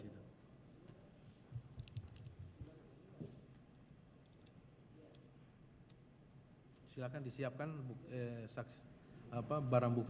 silahkan disiapkan barang bukti